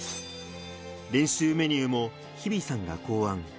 練習メニューも日比さんが考案。